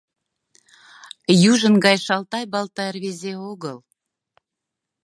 Южын гай шалтай-балтай рвезе огыл.